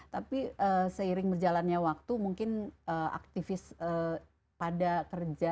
tapi seiring berjalannya waktu mungkin aktivis pada kerja